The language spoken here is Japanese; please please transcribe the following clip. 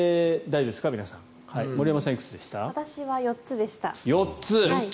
私は４つでした。